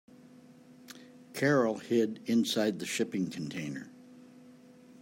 Carol hid inside the shipping container.